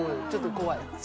ちょっと怖い？